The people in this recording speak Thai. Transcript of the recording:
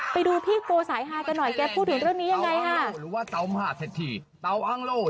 ไปดูพี่โกสายหากันหน่อยแกพูดถึงเรื่องนี้ยังไงฮะ